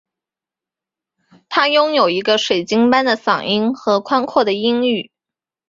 她拥有一个水晶般的嗓音和宽阔的音域。